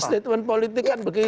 statement politik kan begitu